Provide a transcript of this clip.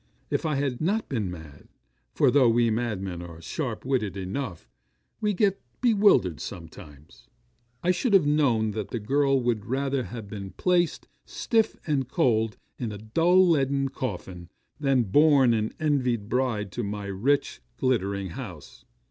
If I had not been mad for though we madmen are sharp witted enough, we get bewildered sometimes I should have known that the girl would rather have been placed, stiff and cold in a dull leaden coffin, than borne an envied bride to my rich, glittering house.